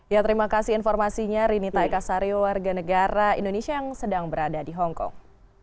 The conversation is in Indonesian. ya terima kasih informasinya rinita ekasario warga negara indonesia yang sedang berada di hongkong